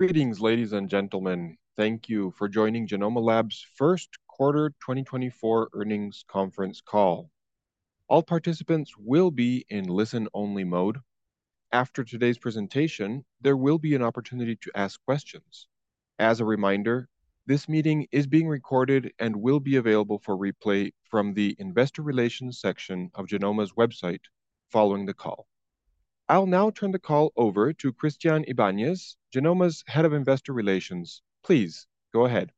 Greetings, ladies and gentlemen. Thank you for joining Genomma Lab's First Quarter 2024 Earnings Conference Call. All participants will be in listen-only mode. After today's presentation, there will be an opportunity to ask questions. As a reminder, this meeting is being recorded and will be available for replay from the Investor Relations section of Genomma's website following the call. I'll now turn the call over to Christianne Ibanez, Genomma's Head of Investor Relations. Please go ahead.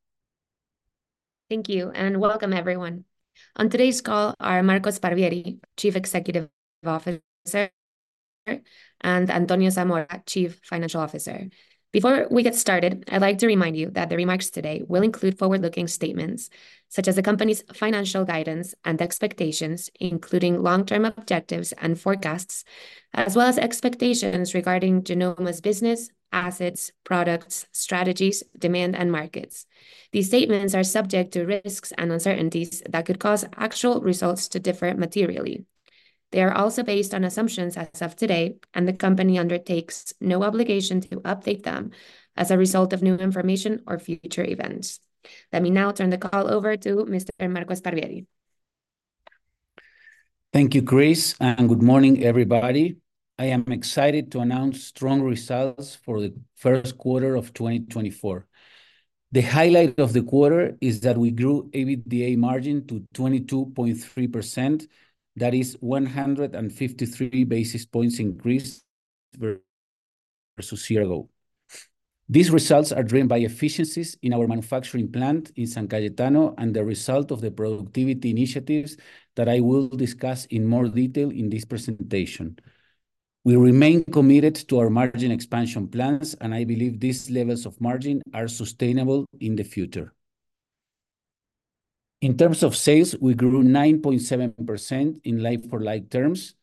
Thank you, and welcome everyone. On today's call are Marco Sparvieri, Chief Executive Officer, and Antonio Zamora, Chief Financial Officer. Before we get started, I'd like to remind you that the remarks today will include forward-looking statements such as the company's financial guidance and expectations, including long-term objectives and forecasts, as well as expectations regarding Genomma's business, assets, products, strategies, demand, and markets. These statements are subject to risks and uncertainties that could cause actual results to differ materially. They are also based on assumptions as of today, and the company undertakes no obligation to update them as a result of new information or future events. Let me now turn the call over to Mr. Marco Sparvieri. Thank you, Chris, and good morning, everybody. I am excited to announce strong results for the first quarter of 2024. The highlight of the quarter is that we grew EBITDA margin to 22.3%, that is 153 basis points increase versus year ago. These results are driven by efficiencies in our manufacturing plant in San Cayetano and the result of the productivity initiatives that I will discuss in more detail in this presentation. We remain committed to our margin expansion plans, and I believe these levels of margin are sustainable in the future. In terms of sales, we grew 9.7% in like-for-like terms.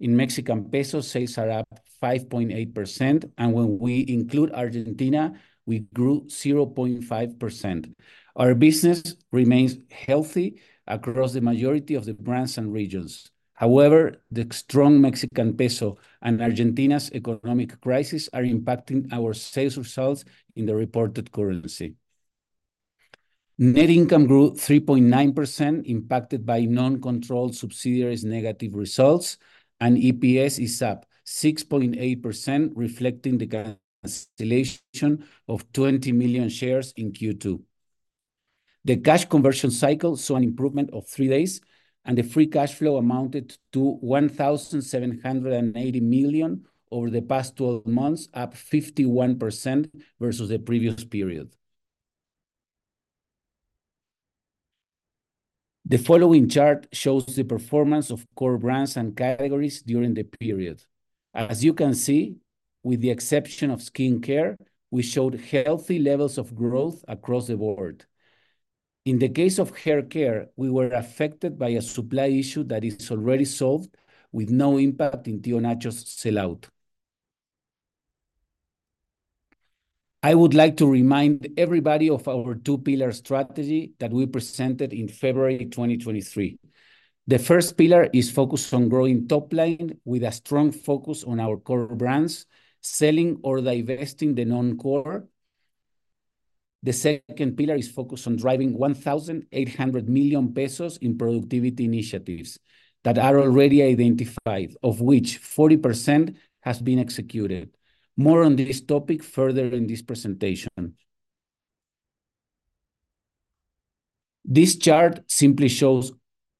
In Mexican pesos, sales are up 5.8%, and when we include Argentina, we grew 0.5%. Our business remains healthy across the majority of the brands and regions. However, the strong Mexican peso and Argentina's economic crisis are impacting our sales results in the reported currency. Net income grew 3.9%, impacted by non-controlled subsidiaries' negative results, and EPS is up 6.8%, reflecting the cancellation of 20 million shares in Q2. The cash conversion cycle saw an improvement of three days, and the free cash flow amounted to 1,780 million over the past 12 months, up 51% versus the previous period. The following chart shows the performance of core brands and categories during the period. As you can see, with the exception of skin care, we showed healthy levels of growth across the board. In the case of Hair Care, we were affected by a supply issue that is already solved with no impact in Tio Nacho's sellout. I would like to remind everybody of our two-pillar strategy that we presented in February 2023. The first pillar is focused on growing topline with a strong focus on our core brands, selling or divesting the non-core. The second pillar is focused on driving 1,800 million pesos in productivity initiatives that are already identified, of which 40% has been executed. More on this topic further in this presentation. This chart simply shows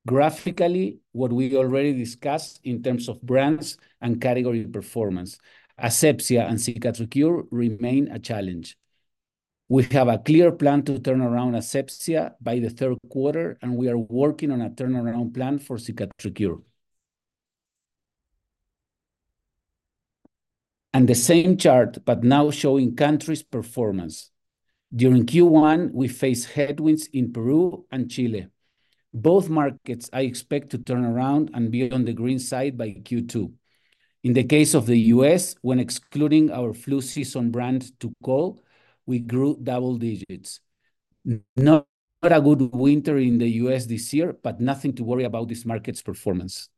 graphically what we already discussed in terms of brands and category performance. Asepsia and CicatriCure remain a challenge. We have a clear plan to turn around Asepsia by the third quarter, and we are working on a turnaround plan for CicatriCure. The same chart, but now showing countries' performance. During Q1, we faced headwinds in Peru and Chile. Both markets I expect to turn around and be on the green side by Q2. In the case of the U.S., when excluding our flu season brand Tucol, we grew double digits. Not a good winter in the U.S. this year, but nothing to worry about this market's performance.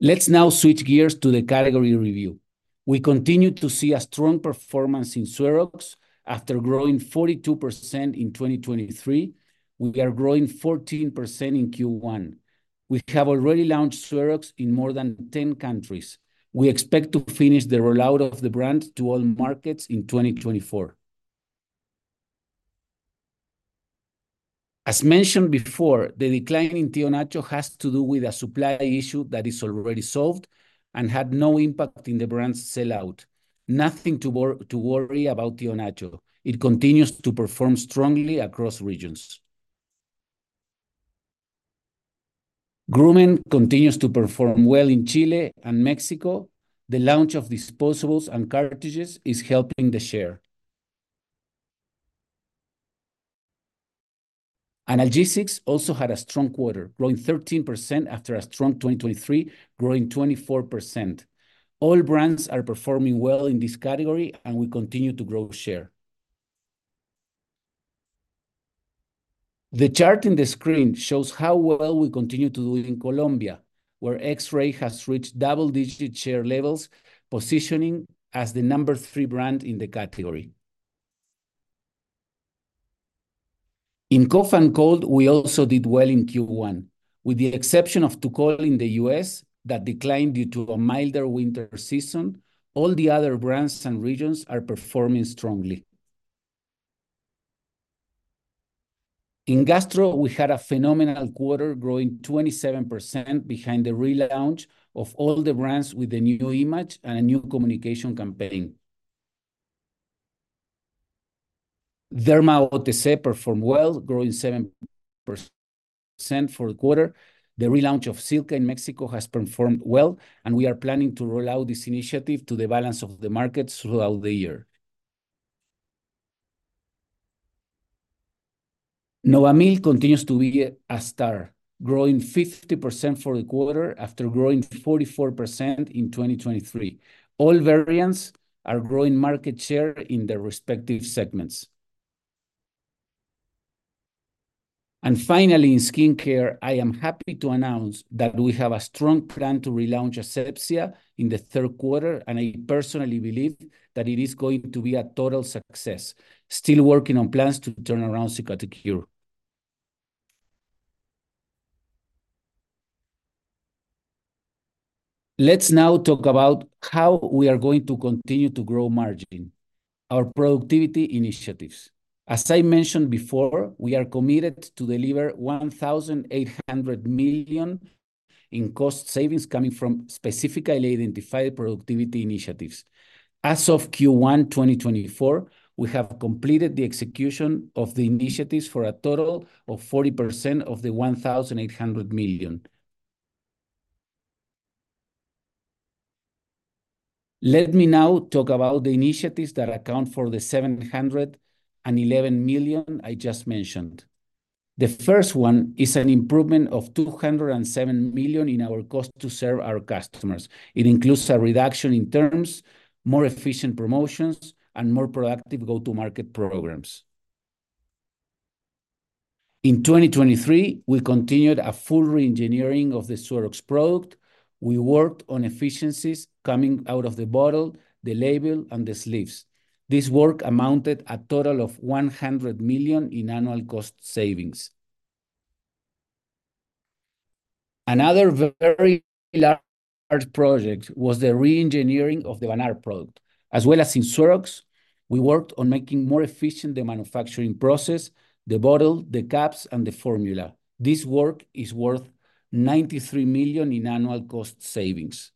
Let's now switch gears to the category review. We continue to see a strong performance in Suerox after growing 42% in 2023. We are growing 14% in Q1. We have already launched Suerox in more than 10 countries. We expect to finish the rollout of the brand to all markets in 2024. As mentioned before, the decline in Tio Nacho has to do with a supply issue that is already solved and had no impact in the brand's sellout. Nothing to worry about Tio Nacho. It continues to perform strongly across regions. Groomen continues to perform well in Chile and Mexico. The launch of disposables and cartridges is helping the share. Analgesics also had a strong quarter, growing 13% after a strong 2023, growing 24%. All brands are performing well in this category, and we continue to grow share. The chart in the screen shows how well we continue to do in Colombia, where X-Ray has reached double-digit share levels, positioning as the number three brand in the category. In Cough & Cold, we also did well in Q1. With the exception of Tucol in the U.S. that declined due to a milder winter season, all the other brands and regions are performing strongly. In Gastro, we had a phenomenal quarter, growing 27% behind the relaunch of all the brands with the new image and a new communication campaign. Derma OTC performed well, growing 7% for the quarter. The relaunch of Silka in Mexico has performed well, and we are planning to roll out this initiative to the balance of the markets throughout the year. Novamil continues to be a star, growing 50% for the quarter after growing 44% in 2023. All variants are growing market share in their respective segments. Finally, in skin care, I am happy to announce that we have a strong plan to relaunch Asepsia in the third quarter, and I personally believe that it is going to be a total success. Still working on plans to turn around CicatriCure. Let's now talk about how we are going to continue to grow margin, our productivity initiatives. As I mentioned before, we are committed to deliver 1,800 million in cost savings coming from specifically identified productivity initiatives. As of Q1 2024, we have completed the execution of the initiatives for a total of 40% of the 1,800 million. Let me now talk about the initiatives that account for the 711 million I just mentioned. The first one is an improvement of 207 million in our cost to serve our customers. It includes a reduction in terms, more efficient promotions, and more productive go-to-market programs. In 2023, we continued a full re-engineering of the Suerox product. We worked on efficiencies coming out of the bottle, the label, and the sleeves. This work amounted to a total of 100 million in annual cost savings. Another very large project was the re-engineering of the Vanart product. As well as in Suerox, we worked on making more efficient the manufacturing process, the bottle, the caps, and the formula. This work is worth 93 million in annual cost savings.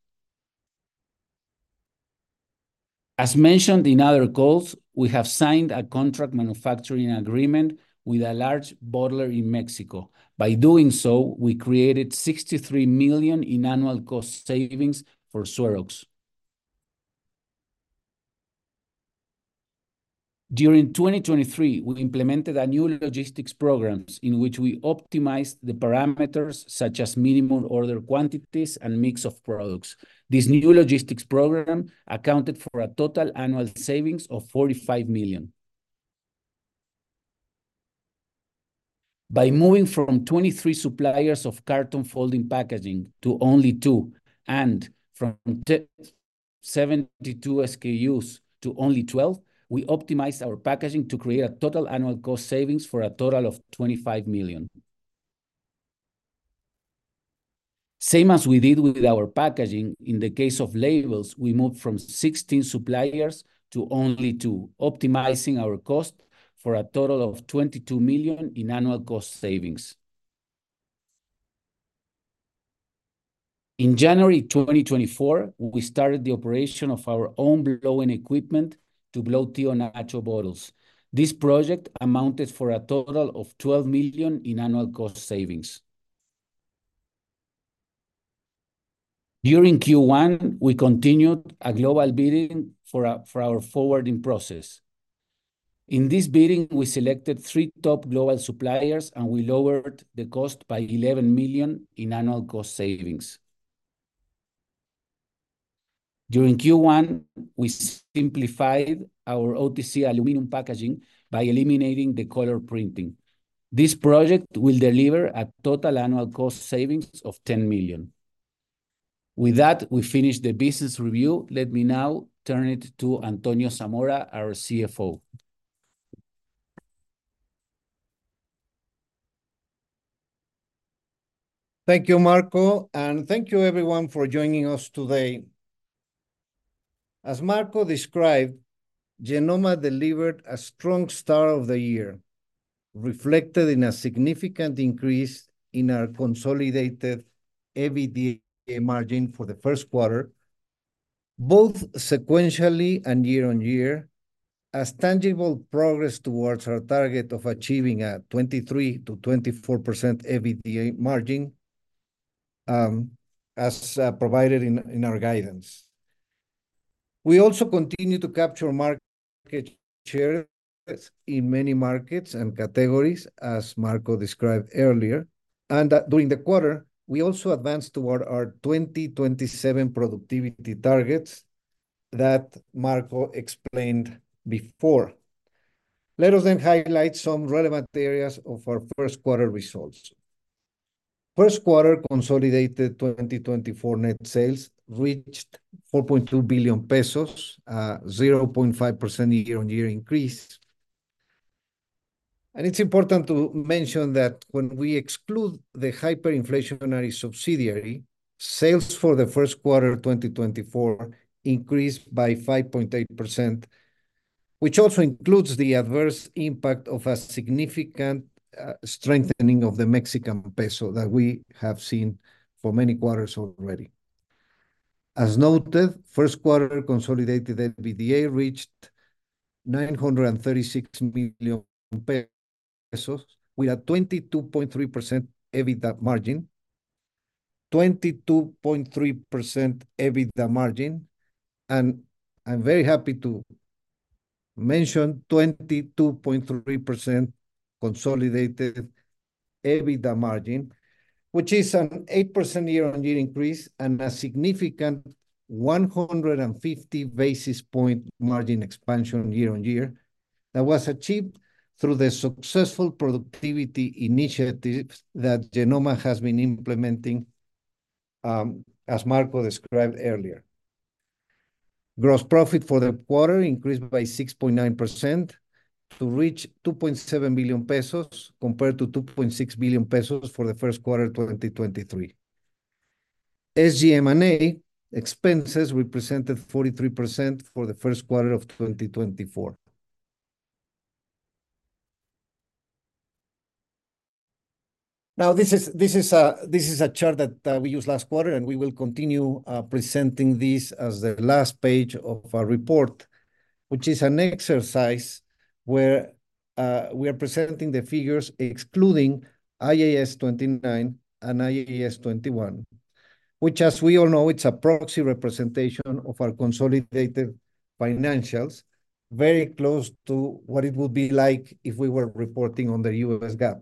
As mentioned in other calls, we have signed a contract manufacturing agreement with a large bottler in Mexico. By doing so, we created 63 million in annual cost savings for Suerox. During 2023, we implemented a new logistics program in which we optimized the parameters such as minimum order quantities and mix of products. This new logistics program accounted for a total annual savings of 45 million. By moving from 23 suppliers of carton folding packaging to only two, and from 72 SKUs to only 12, we optimized our packaging to create a total annual cost savings for a total of 25 million. Same as we did with our packaging, in the case of labels, we moved from 16 suppliers to only two, optimizing our cost for a total of 22 million in annual cost savings. In January 2024, we started the operation of our own blow-in equipment to blow Tio Nacho bottles. This project amounted to a total of 12 million in annual cost savings. During Q1, we continued a global bidding for our forwarding process. In this bidding, we selected three top global suppliers, and we lowered the cost by 11 million in annual cost savings. During Q1, we simplified our OTC aluminum packaging by eliminating the color printing. This project will deliver a total annual cost savings of 10 million. With that, we finished the business review. Let me now turn it to Antonio Zamora, our CFO. Thank you, Marco, and thank you, everyone, for joining us today. As Marco described, Genomma delivered a strong start of the year, reflected in a significant increase in our consolidated EBITDA margin for the first quarter, both sequentially and year-over-year, as tangible progress towards our target of achieving a 23%-24% EBITDA margin, as provided in our guidance. We also continue to capture market shares in many markets and categories, as Marco described earlier, and during the quarter, we also advanced toward our 2027 productivity targets that Marco explained before. Let us then highlight some relevant areas of our first quarter results. First quarter consolidated 2024 net sales reached 4.2 billion pesos, a 0.5% year-on-year increase. It's important to mention that when we exclude the hyperinflationary subsidiary, sales for the first quarter 2024 increased by 5.8%, which also includes the adverse impact of a significant strengthening of the Mexican peso that we have seen for many quarters already. As noted, first quarter consolidated EBITDA reached 936 million pesos with a 22.3% EBITDA margin, 22.3% EBITDA margin, and I'm very happy to mention 22.3% consolidated EBITDA margin, which is an 8% year-on-year increase and a significant 150 basis point margin expansion year-on-year that was achieved through the successful productivity initiatives that Genomma has been implementing, as Marco described earlier. Gross profit for the quarter increased by 6.9% to reach 2.7 billion pesos compared to 2.6 billion pesos for the first quarter 2023. SG&A expenses represented 43% for the first quarter of 2024. Now, this is a chart that we used last quarter, and we will continue presenting this as the last page of our report, which is an exercise where we are presenting the figures excluding IAS 29 and IAS 21, which, as we all know, it's a proxy representation of our consolidated financials, very close to what it would be like if we were reporting on the U.S. GAAP.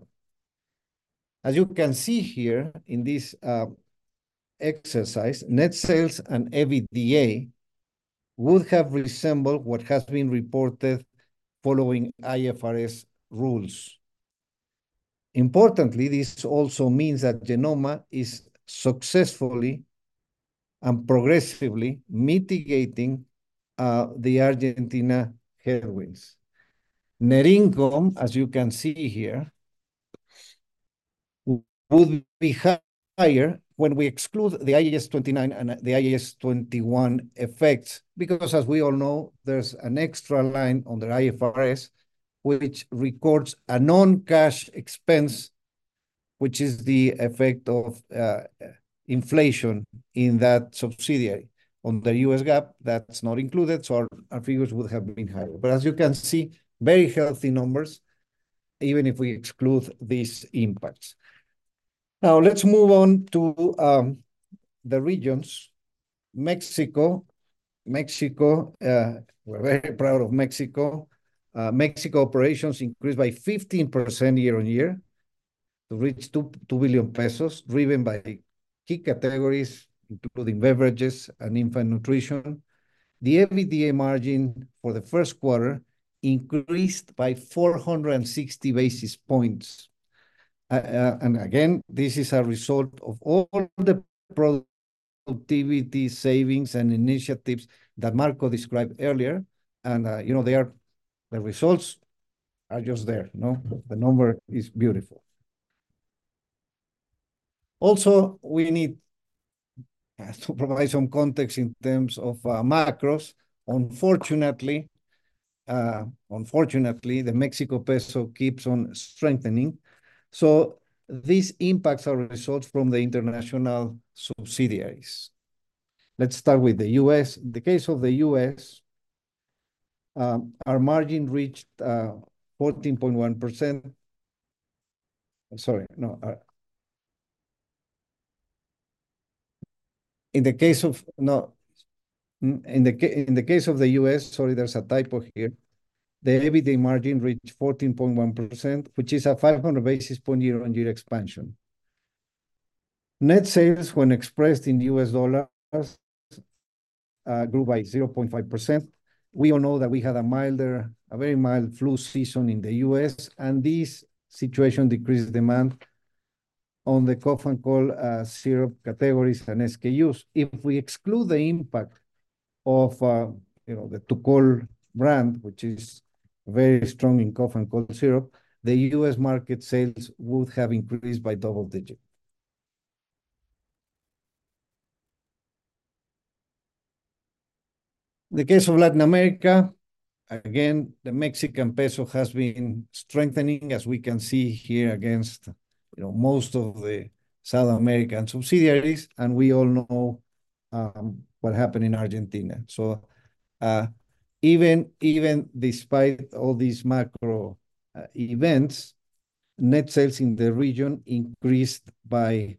As you can see here in this exercise, net sales and EBITDA would have resembled what has been reported following IFRS rules. Importantly, this also means that Genomma is successfully and progressively mitigating the Argentina headwinds. Net income, as you can see here, would be higher when we exclude the IAS 29 and the IAS 21 effects, because, as we all know, there's an extra line on the IFRS which records a non-cash expense, which is the effect of inflation in that subsidiary on the U.S. GAAP that's not included, so our figures would have been higher. But as you can see, very healthy numbers, even if we exclude these impacts. Now, let's move on to the regions. Mexico Mexico we're very proud of Mexico. Mexico operations increased by 15% year-over-year to reach 2 billion pesos, driven by key categories including Beverages and Infant Nutrition. The EBITDA margin for the first quarter increased by 460 basis points. Again, this is a result of all the productivity savings and initiatives that Marco described earlier, and, you know, they are the results are just there, no? The number is beautiful. Also, we need to provide some context in terms of macros. Unfortunately, the Mexican peso keeps on strengthening. So these impacts are results from the international subsidiaries. Let's start with the U.S.. In the case of the U.S., sorry, there's a typo here. The EBITDA margin reached 14.1%, which is a 500 basis point year-on-year expansion. Net sales, when expressed in U.S. dollars, grew by 0.5%. We all know that we had a very mild flu season in the U.S., and this situation decreased demand on the Cough and Cold syrup categories and SKUs. If we exclude the impact of, you know, the Tucol brand, which is very strong in cough and cold syrup, the U.S. market sales would have increased by double-digit. In the case of Latin America, again, the Mexican peso has been strengthening, as we can see here against, you know, most of the South American subsidiaries, and we all know what happened in Argentina. So even despite all these macro events, net sales in the region increased by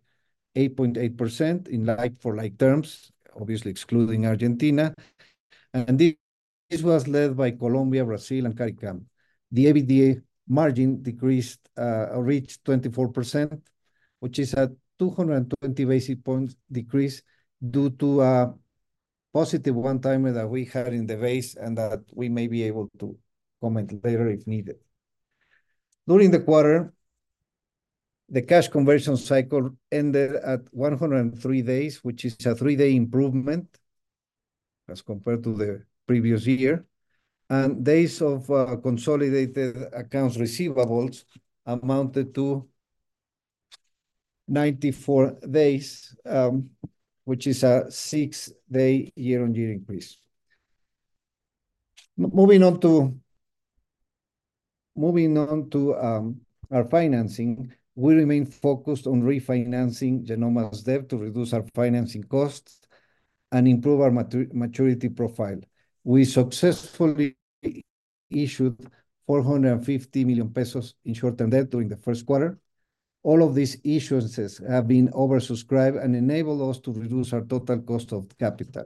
8.8% in like-for-like terms, obviously excluding Argentina. And this was led by Colombia, Brazil, and Caricam. The EBITDA margin decreased or reached 24%, which is a 220 basis points decrease due to a positive one-timer that we had in the base and that we may be able to comment later if needed. During the quarter, the cash conversion cycle ended at 103 days, which is a three-day improvement as compared to the previous year, and days of consolidated accounts receivables amounted to 94 days, which is a six-day year-on-year increase. Moving on to our financing, we remain focused on refinancing Genomma's debt to reduce our financing costs and improve our maturity profile. We successfully issued 450 million pesos in short-term debt during the first quarter. All of these issuances have been oversubscribed and enabled us to reduce our total cost of capital.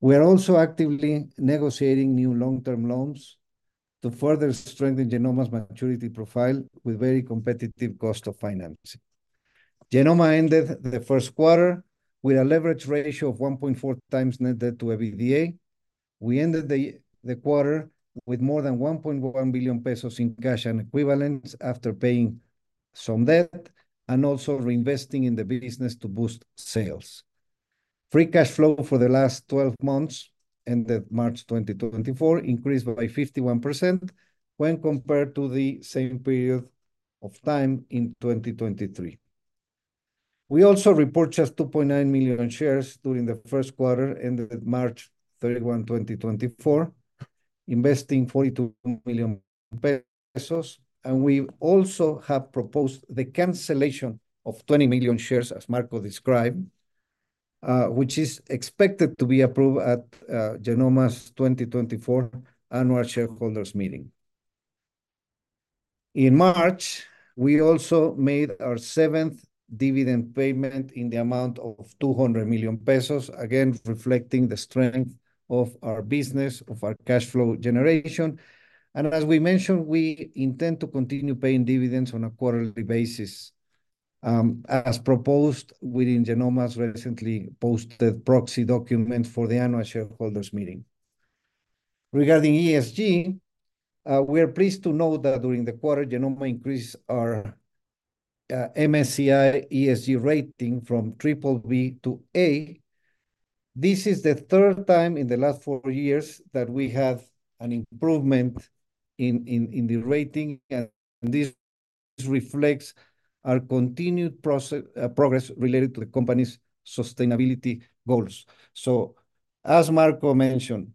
We are also actively negotiating new long-term loans to further strengthen Genomma's maturity profile with very competitive cost of financing. Genomma ended the first quarter with a leverage ratio of 1.4x net debt to EBITDA. We ended the quarter with more than 1.1 billion pesos in cash and equivalents after paying some debt and also reinvesting in the business to boost sales. Free cash flow for the last 12 months ended March 2024, increased by 51% when compared to the same period of time in 2023. We also report just 2.9 million shares during the first quarter ended March 31, 2024, investing 42 million pesos, and we also have proposed the cancellation of 20 million shares, as Marco described, which is expected to be approved at Genomma's 2024 annual shareholders meeting. In March, we also made our seventh dividend payment in the amount of 200 million pesos, again reflecting the strength of our business, of our cash flow generation, and as we mentioned, we intend to continue paying dividends on a quarterly basis, as proposed within Genomma's recently posted proxy document for the annual shareholders meeting. Regarding ESG, we are pleased to note that during the quarter, Genomma increased our MSCI ESG rating from BBB to A. This is the third time in the last four years that we have an improvement in the rating, and this reflects our continued process progress related to the company's sustainability goals. So, as Marco mentioned,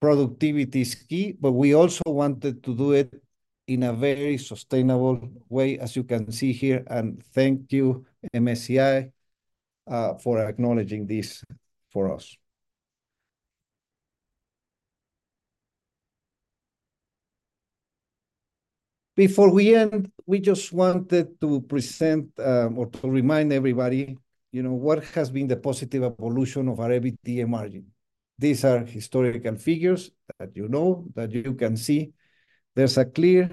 productivity is key, but we also wanted to do it in a very sustainable way, as you can see here, and thank you, MSCI, for acknowledging this for us. Before we end, we just wanted to present or to remind everybody, you know, what has been the positive evolution of our EBITDA margin. These are historical figures that you know, that you can see. There's a clear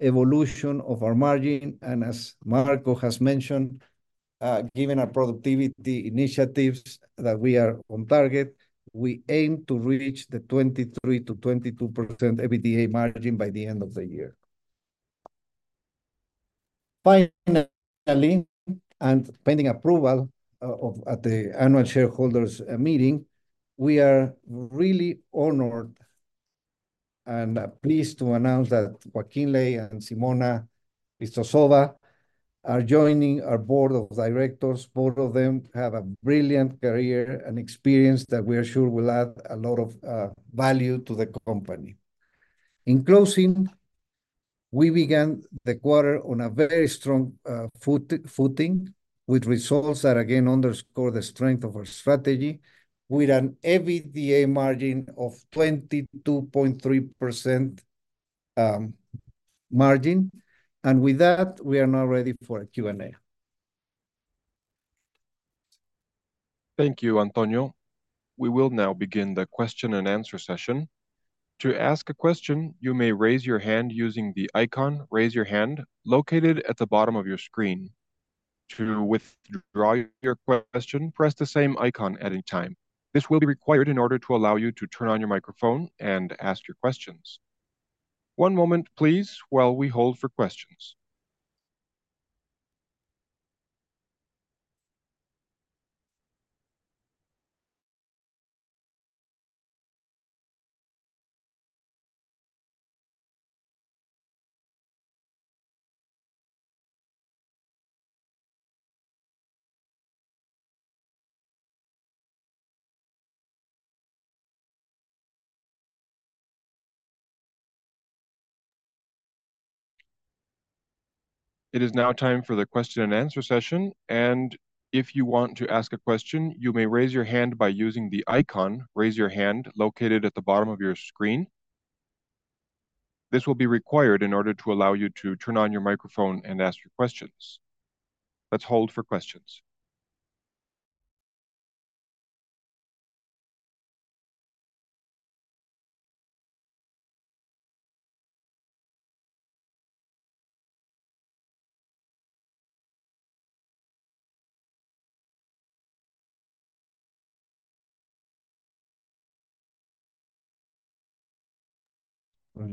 evolution of our margin, and as Marco has mentioned, given our productivity initiatives that we are on target, we aim to reach the 23%-22% EBITDA margin by the end of the year. Finally, pending approval at the annual shareholders meeting, we are really honored and pleased to announce that Joaquin Ley and Simona Visztova are joining our board of directors. Both of them have a brilliant career and experience that we are sure will add a lot of value to the company. In closing, we began the quarter on a very strong footing with results that again underscore the strength of our strategy with an EBITDA margin of 22.3% margin, and with that, we are now ready for a Q&A. Thank you, Antonio. We will now begin the question and answer session. To ask a question, you may raise your hand using the icon raise your hand located at the bottom of your screen. To withdraw your question, press the same icon at any time. This will be required in order to allow you to turn on your microphone and ask your questions. One moment, please, while we hold for questions. It is now time for the question and answer session, and if you want to ask a question, you may raise your hand by using the icon raise your hand located at the bottom of your screen. This will be required in order to allow you to turn on your microphone and ask your questions. Let's hold for questions.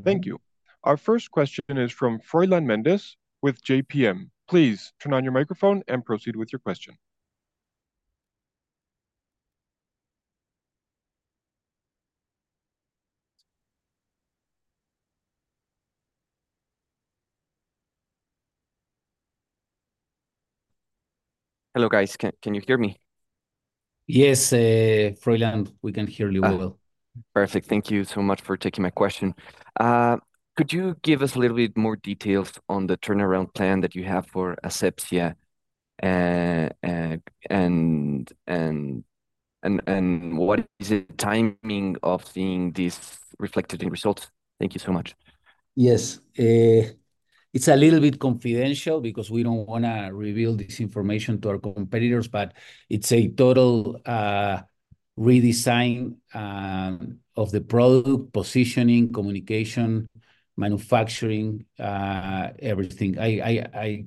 Thank you. Our first question is from Froylan Mendez with JPM. Please turn on your microphone and proceed with your question. Hello, guys. Can you hear me? Yes, Freyland, we can hear you well. Perfect. Thank you so much for taking my question. Could you give us a little bit more details on the turnaround plan that you have for Asepsia? And what is the timing of seeing this reflected in results? Thank you so much. Yes. It's a little bit confidential because we don't want to reveal this information to our competitors, but it's a total redesign of the product positioning, communication, manufacturing, everything. I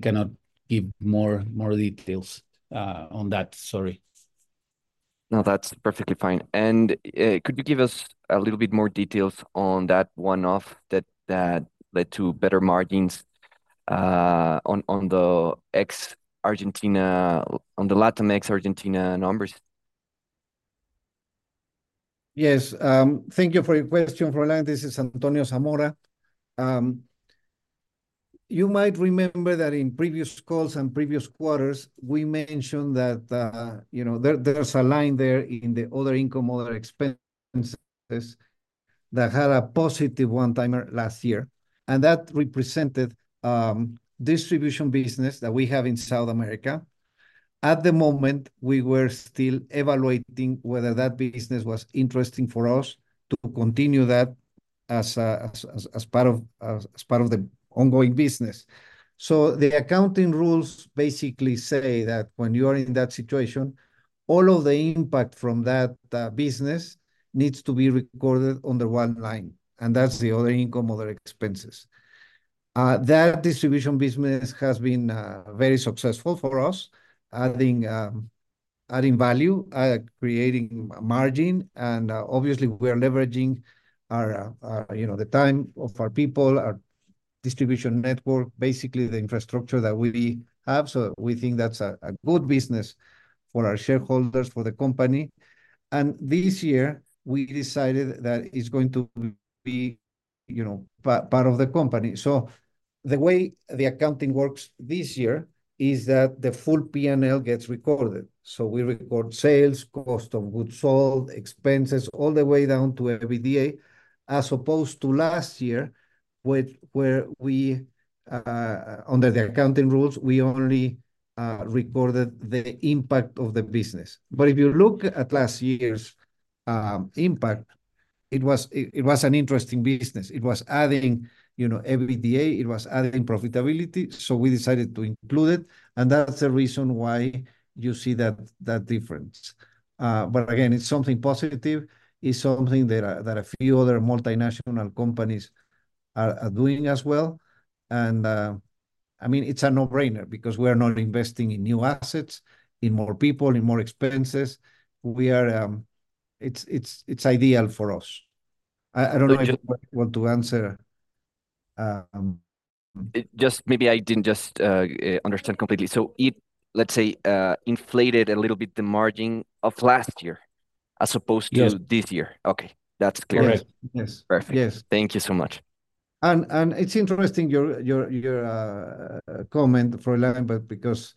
cannot give more details on that. Sorry. No, that's perfectly fine. Could you give us a little bit more details on that one-off that led to better margins on the ex-Argentina on the Latin America ex-Argentina numbers? Yes. Thank you for your question, Freyland. This is Antonio Zamora. You might remember that in previous calls and previous quarters, we mentioned that, you know, there's a line there in the other income, other expenses that had a positive one-timer last year, and that represented distribution business that we have in South America. At the moment, we were still evaluating whether that business was interesting for us to continue that as part of the ongoing business. So the accounting rules basically say that when you are in that situation, all of the impact from that business needs to be recorded on the one line, and that's the other income, other expenses. That distribution business has been very successful for us, adding value, creating margin, and obviously, we are leveraging our, you know, the time of our people, our distribution network, basically the infrastructure that we have. So we think that's a good business for our shareholders, for the company. And this year, we decided that it's going to be, you know, part of the company. So the way the accounting works this year is that the full P&L gets recorded. So we record sales, cost of goods sold, expenses, all the way down to EBITDA, as opposed to last year, where we, under the accounting rules, we only recorded the impact of the business. But if you look at last year's impact, it was an interesting business. It was adding, you know, EBITDA. It was adding profitability. So we decided to include it, and that's the reason why you see that difference. But again, it's something positive. It's something that a few other multinational companies are doing as well. And I mean, it's a no-brainer because we are not investing in new assets, in more people, in more expenses. We are—it's ideal for us. I don't know if you want to answer. Just maybe I didn't understand completely. So it, let's say, inflated a little bit the margin of last year, as opposed to this year. Okay. That's clear. Correct. Yes. Perfect. Yes. Thank you so much. And it's interesting your comment, Freyland, but because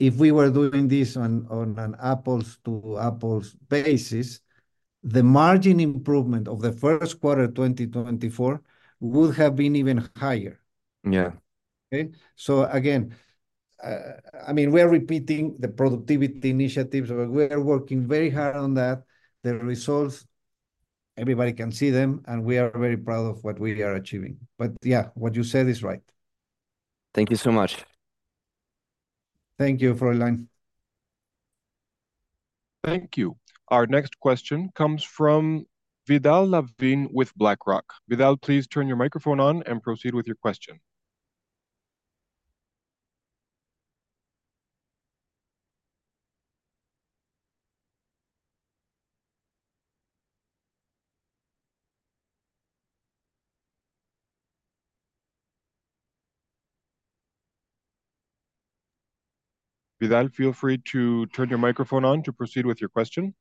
if we were doing this on an apples-to-apples basis, the margin improvement of the first quarter 2024 would have been even higher. Yeah. Okay. So again, I mean, we are repeating the productivity initiatives, but we are working very hard on that. The results, everybody can see them, and we are very proud of what we are achieving. But yeah, what you said is right. Thank you so much. Thank you, Freyland. Thank you. Our next question comes from Vidal Lavin with BlackRock. Vidal, please turn your microphone on and proceed with your question. Vidal, feel free to turn your microphone on to proceed with your question.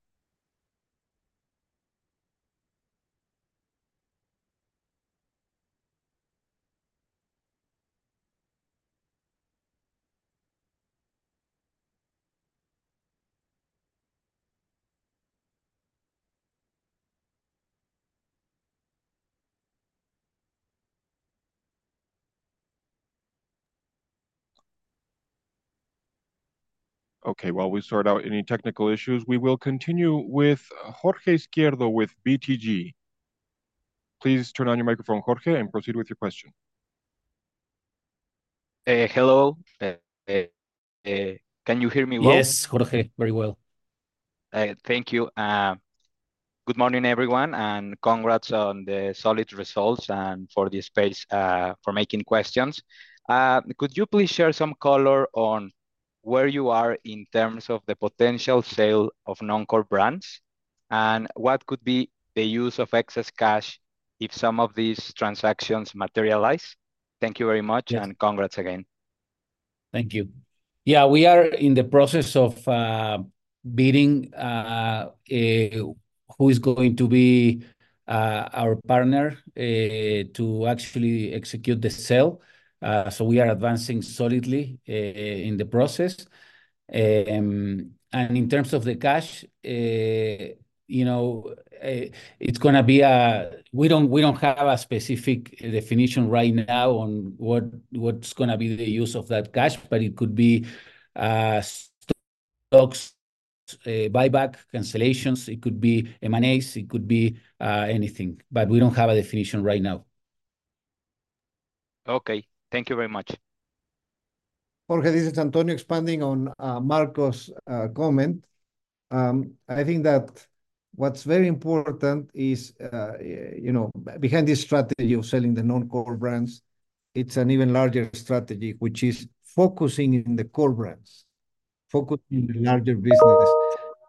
Okay. While we sort out any technical issues, we will continue with Jorge Izquierdo with BTG. Please turn on your microphone, Jorge, and proceed with your question. Hello. Can you hear me well? Yes, Jorge, very well. Thank you. Good morning, everyone, and congrats on the solid results and for the space for making questions. Could you please share some color on where you are in terms of the potential sale of non-core brands? And what could be the use of excess cash if some of these transactions materialize? Thank you very much and congrats again. Thank you. Yeah, we are in the process of bidding who is going to be our partner to actually execute the sale. So we are advancing solidly in the process. And in terms of the cash, you know, it's going to be, we don't have a specific definition right now on what's going to be the use of that cash, but it could be stocks buyback, cancellations. It could be M&As. It could be anything, but we don't have a definition right now. Okay. Thank you very much. Jorge, this is Antonio expanding on Marco's comment. I think that what's very important is, you know, behind this strategy of selling the non-core brands, it's an even larger strategy, which is focusing in the core brands, focusing in the larger business.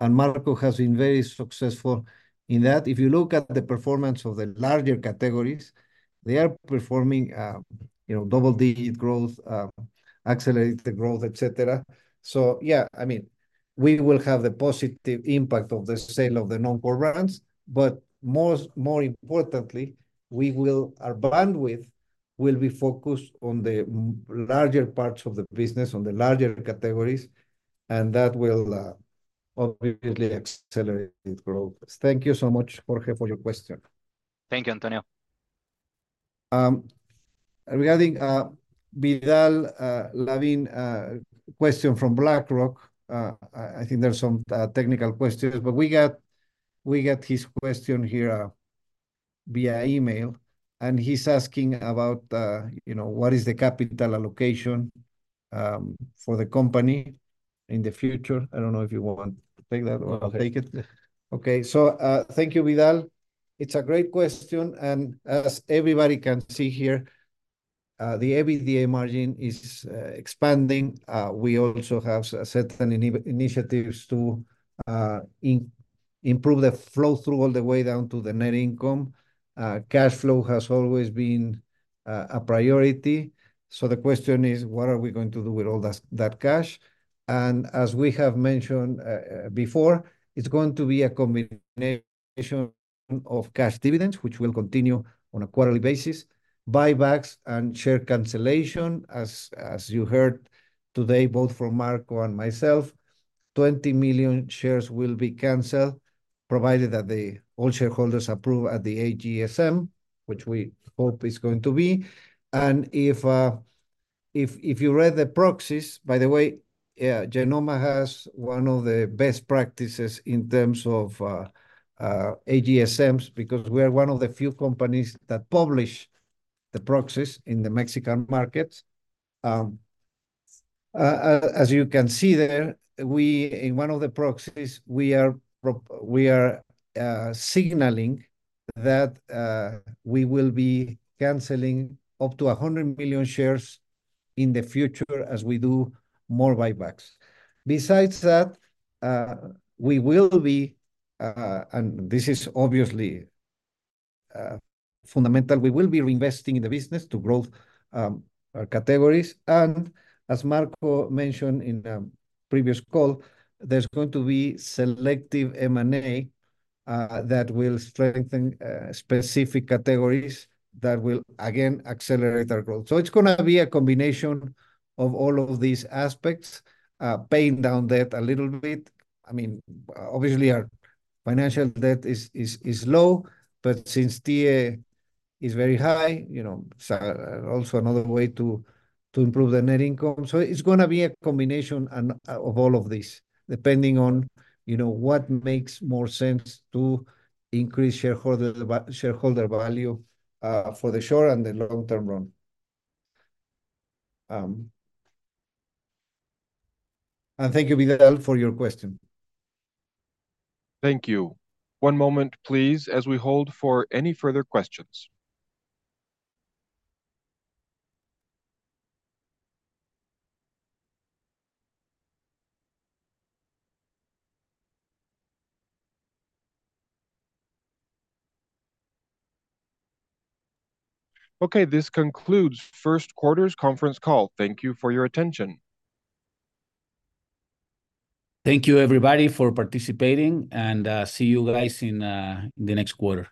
And Marco has been very successful in that. If you look at the performance of the larger categories, they are performing, you know, double-digit growth, accelerate the growth, etc. So yeah, I mean, we will have the positive impact of the sale of the non-core brands, but more importantly, we will, our bandwidth will be focused on the larger parts of the business, on the larger categories, and that will obviously accelerate growth. Thank you so much, Jorge, for your question. Thank you, Antonio. Regarding Vidal Lavin question from BlackRock, I think there's some technical questions, but we got his question here via email, and he's asking about, you know, what is the capital allocation for the company in the future? I don't know if you want to take that or take it. Okay. So thank you, Vidal. It's a great question, and as everybody can see here, the EBITDA margin is expanding. We also have certain initiatives to improve the flow through all the way down to the net income. Cash flow has always been a priority. So the question is, what are we going to do with all that cash? And as we have mentioned before, it's going to be a combination of cash dividends, which will continue on a quarterly basis, buybacks, and share cancellation, as you heard today, both from Marco and myself. 20 million shares will be canceled, provided that all shareholders approve at the AGSM, which we hope is going to be. And if you read the proxies, by the way, Genomma has one of the best practices in terms of AGSMs because we are one of the few companies that publish the proxies in the Mexican markets. As you can see there, we, in one of the proxies, we are signaling that we will be canceling up to 100 million shares in the future as we do more buybacks. Besides that, we will be and this is obviously fundamental. We will be reinvesting in the business to grow our categories. And as Marco mentioned in a previous call, there's going to be selective M&A that will strengthen specific categories that will, again, accelerate our growth. So it's going to be a combination of all of these aspects, paying down debt a little bit. I mean, obviously, our financial debt is low, but since DA is very high, you know, it's also another way to improve the net income. So it's going to be a combination of all of this, depending on, you know, what makes more sense to increase shareholder value for the short and the long-term run. And thank you, Vidal, for your question. Thank you. One moment, please, as we hold for any further questions. Okay. This concludes first quarter's conference call. Thank you for your attention. Thank you, everybody, for participating, and see you guys in the next quarter.